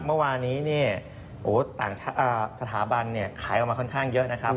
เมื่อวานี้ต่างสถาบันเนี่ยขายออกมาค่อนข้างเยอะนะครับ